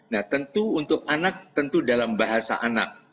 nah tentu untuk anak tentu dalam bahasa anak